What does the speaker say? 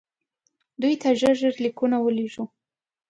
دوی ته ژر ژر لیکونه ولېږو.